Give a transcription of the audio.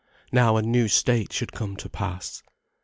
Now a new state should come to pass.